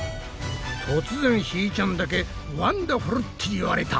突然ひーちゃんだけワンダフルって言われた。